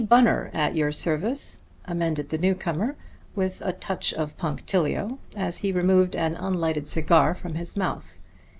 Bunner, at your service," amended the newcomer, with a touch of punctilio, as he removed an unlighted cigar from his mouth.